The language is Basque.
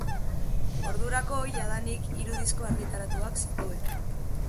Ordurako jadanik hiru disko argitaratuak zituen.